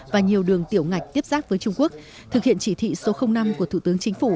và nhiều đường tiểu ngạch tiếp giác với trung quốc thực hiện chỉ thị số năm của thủ tướng chính phủ